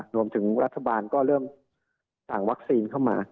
รวมถึงรัฐบาลก็เริ่มสั่งวัคซีนเข้ามา